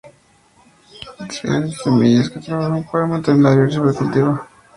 redes de semillas que trabajan para mantener la biodiversidad cultivada